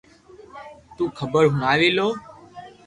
تو خبر ھوڻاوي لو